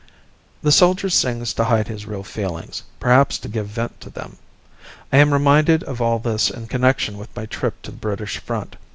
The soldier sings to hide his real feelings, perhaps to give vent to them. I am reminded of all this in connection with my trip to the British front.